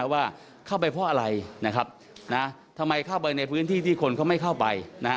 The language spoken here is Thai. ว่าเข้าไปเพราะอะไรทำไมเข้าไปในพื้นที่ที่คนเขาไม่เข้าไป